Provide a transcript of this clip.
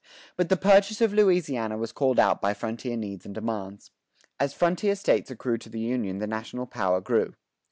But the purchase of Louisiana was called out by frontier needs and demands. As frontier States accrued to the Union the national power grew.